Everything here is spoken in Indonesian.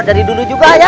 dari dulu juga ya